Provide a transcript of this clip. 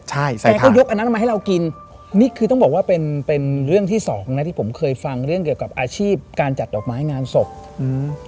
ใช่แฟนก็ยกอันนั้นมาให้เรากินนี่คือต้องบอกว่าเป็นเป็นเรื่องที่สองนะที่ผมเคยฟังเรื่องเกี่ยวกับอาชีพการจัดดอกไม้งานศพอืม